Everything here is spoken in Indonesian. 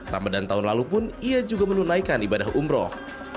ramadan tahun lalu pun ia juga menunaikan ibadah umroh